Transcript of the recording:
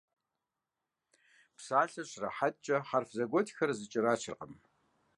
Псалъэр щрахьэкӀкӀэ хьэрф зэгуэтхэр зэкӀэрачыркъым.